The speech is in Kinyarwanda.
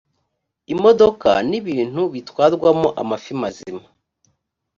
imodoka n ibintu bitwarwamo amafi mazima